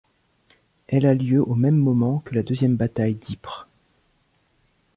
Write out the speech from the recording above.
Elle a lieu au même moment que la deuxième bataille d'Ypres.